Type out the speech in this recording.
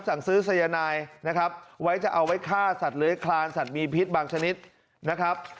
สั่งซื้อสายนายนะครับไว้จะเอาไว้ฆ่าสัตว์เลื้อยคลานสัตว์มีพิษบางชนิดนะครับ